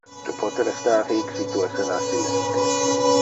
Tu pote restar hic si tu essera silente.